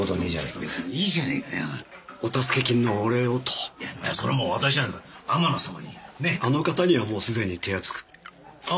別にいいじゃねぇかよお助け金のお礼をといやそれもう私じゃなく天野さまにねっあの方にはもうすでに手厚くあっ